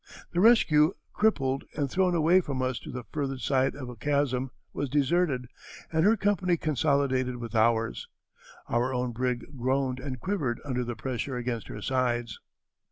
The Rescue, crippled and thrown away from us to the further side of a chasm, was deserted, and her company consolidated with ours. Our own brig groaned and quivered under the pressure against her sides."